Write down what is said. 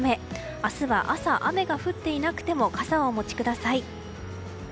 明日は朝、雨が降っていなくても傘をお持ちください。